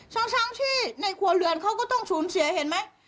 ช้างที่ในครัวเรือนเขาก็ต้องสูญเสียเห็นไหม